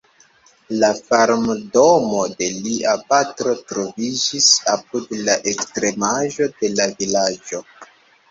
La farmdomo de lia patro troviĝis apud la ekstremaĵo de la vilaĝo.